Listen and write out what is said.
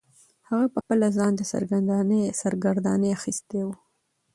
هغه پخپله ځان ته سرګرداني اخیستې وه.